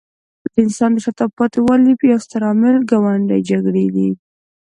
د افغانستان د شاته پاتې والي یو ستر عامل ګاونډي جګړې دي.